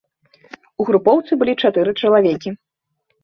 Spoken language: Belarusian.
У групоўцы былі чатыры чалавекі.